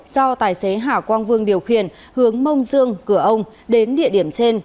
do tài xế hà quang vương điều khiển hướng mông dương cửa ông đến địa điểm trên